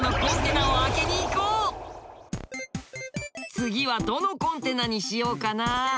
次はどのコンテナにしようかな。